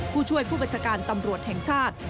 ผู้ช่วยผู้บัญชาการตำรวจแห่งชาติ